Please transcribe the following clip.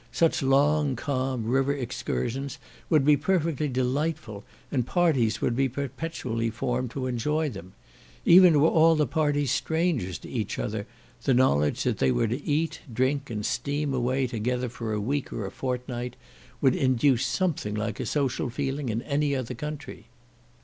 Such long calm river excursions would be perfectly delightful, and parties would be perpetually formed to enjoy them. Even were all the parties strangers to each other, the knowledge that they were to eat, drink, and steam away together for a week or fortnight, would induce something like a social feeling in any other country.